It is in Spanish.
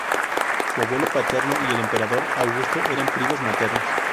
Su abuelo paterno y el emperador Augusto eran primos maternos.